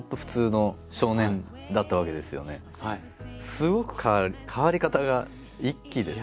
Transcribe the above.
すごく変わる変わり方が一気ですね。